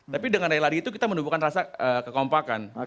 tapi dengan lari lari itu kita menubuhkan rasa kekompakan